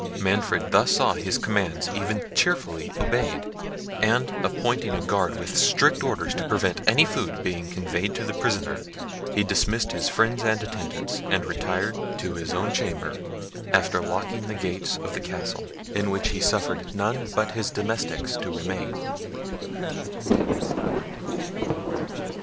Manfred thus saw his commands even cheerfully obeyed; and appointing a guard with strict orders to prevent any food being conveyed to the prisoner, he dismissed his friends and attendants, and retired to his own chamber, after locking the gates of the castle, in which he suffered none but his domestics to remain.